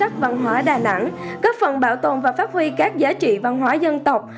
các phần bảo tồn và phát huy các giá trị văn hóa dân tộc